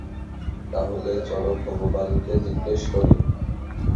তাহলে চলো ভগবানকে জিজ্ঞেস করি।